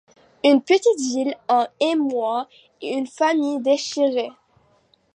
Une petite ville en émoi et une famille déchirée.